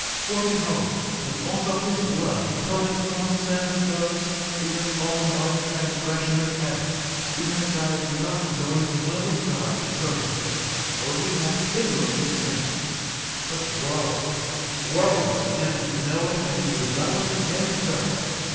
3:11 For behold, and also his blood atoneth for the sins of those who have fallen by the transgression of Adam, who have died not knowing the will of God concerning them, or who have ignorantly sinned. 3:12 But wo, wo unto him who knoweth that he rebelleth against God!